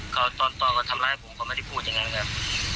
เขาตอนพ่อเขาทำร้ายผมก็ไม่ได้พูดอย่างนั้นครับ